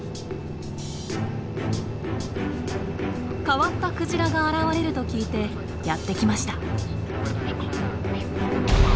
変わったクジラが現れると聞いてやって来ました。